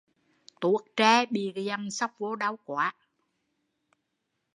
Tuốt tre bị cái dằm xóc vô đau quá